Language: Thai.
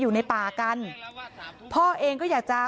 คำให้การในกอล์ฟนี่คือคำให้การในกอล์ฟนี่คือ